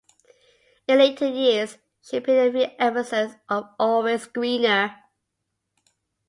In later years she appeared in a few episodes of "Always Greener".